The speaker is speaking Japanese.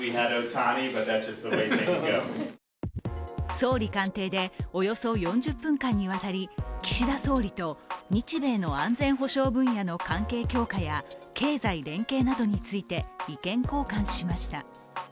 総理官邸で、およそ４０分間にわたり岸田総理と日米の安全保障分野の関係強化や経済連携などについて意見交換しました。